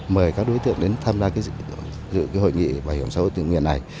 mời các đối tượng đến tham gia dự hội nghị bảo hiểm xã hội tự nguyện này